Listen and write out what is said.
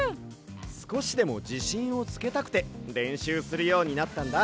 すこしでもじしんをつけたくてれんしゅうするようになったんだ。